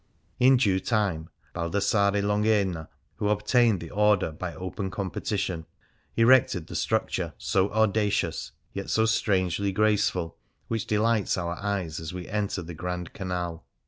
In due time Baldassare Longhena, who ob tained the order by open competition, erected the structure so audacious, yet so strangely graceful, which delights our eyes as we enter the Grand Canal.